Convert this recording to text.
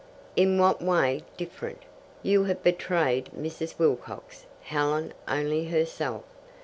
"In what way different? You have betrayed Mrs. Wilcox, Helen only herself.